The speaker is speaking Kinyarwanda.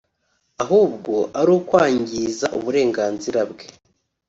ahubwo ari ukwangiza uburenganzira bwe”